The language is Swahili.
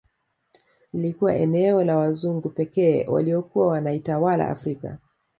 Iilikuwa eneo la wazungu pekee waliokuwa wanaitawala Afrika